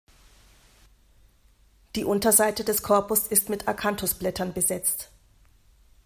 Die Unterseite des Korpus ist mit Akanthusblättern besetzt.